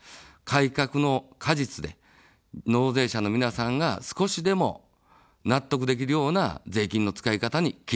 改革の果実で、納税者の皆さんが少しでも納得できるような税金の使い方に切り替えていく。